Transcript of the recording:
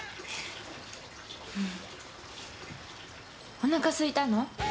おなかすいたの？